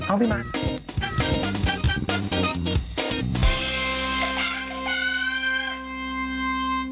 เอ้าพี่มั๊ก